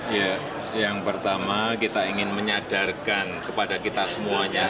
ya yang pertama kita ingin menyadarkan kepada kita semuanya